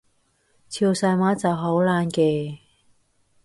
潮汕話就好難嘅